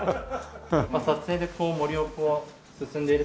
撮影で森を進んでいる時に。